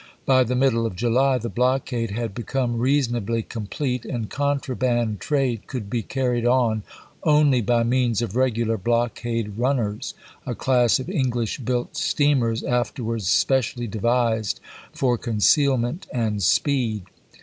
By the middle of July the blockade had become rea sonably complete, and contraband trade could be carried on only by means of regular blockade run ners, a class of English built steamers afterwards specially devised for concealment and speed.